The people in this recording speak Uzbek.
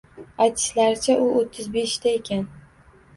Aytishlaricha, u o`ttiz beshda ekan